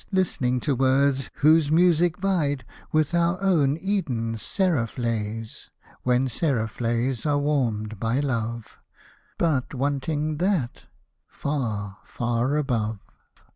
Listening to words, whose music vied With our own Eden's seraph lays. When seraph lays are warmed by love, But, wanting that^ far, far above